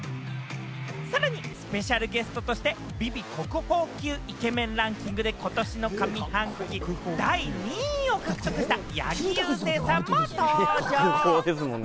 さらにスペシャルゲストとして、『ＶｉＶｉ』国宝級イケメンランキングでことしの上半期第２位を獲得した八木勇征さんも登場。